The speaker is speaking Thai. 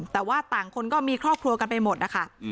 แต่ว่าต่างคนก็มีครอบครัวกันไปหมดนะคะ